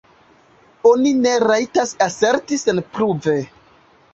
Oni ne rajtas aserti senpruve.